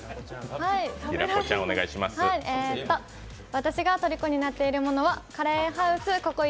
私がとりこになっているものはカレーハウスＣｏＣｏ壱